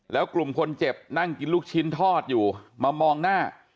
แล้วกลุ่มคนเจ็บนั่งกินลูกชิ้นทอดอยู่มามองหน้า